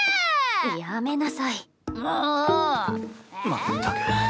まったく。